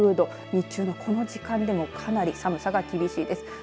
日中のこの時間でもかなり寒さが厳しいです。